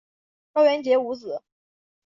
赵元杰无子。